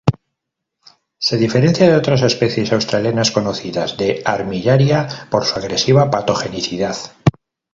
Se diferencia de otras especies australianas conocidas de "Armillaria" por su agresiva patogenicidad.